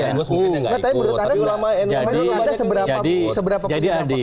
tapi menurut anda ulama nu ada seberapa